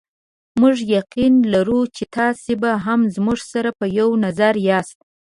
موږ یقین لرو چې تاسې به هم زموږ سره په یوه نظر یاست.